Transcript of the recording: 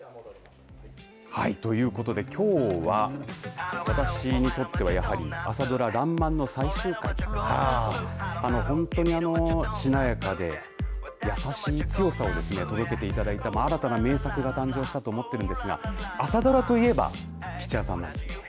ということで、きょうは私にとってはやはり朝ドラ、らんまんの最終回本当に、しなやかで優しい強さを届けていただいた新たな名作が誕生したと思っているんですが朝ドラと言えば吉弥さんなんです。